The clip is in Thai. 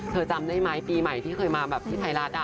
จำได้ไหมปีใหม่ที่เคยมาแบบที่ไทยรัฐ